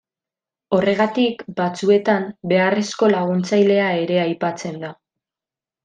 Horregatik, batzuetan, beharrezko laguntzailea ere aipatzen da.